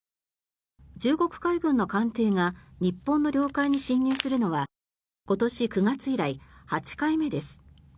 中国海軍の艦艇が日本の領海に侵入するのは今年９月以来、８回目です。